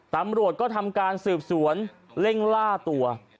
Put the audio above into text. ตำรวจก็ทำการสืบสวนเร่งล่าตัว